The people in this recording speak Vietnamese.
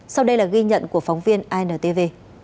sau đây là ghi nhận của phóng viên intv